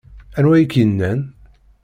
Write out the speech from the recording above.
Anwa ay ak-yennan?